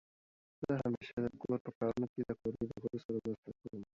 زه همېشه دکور په کارونو کې د خپلې مېرمنې سره مرسته کوم.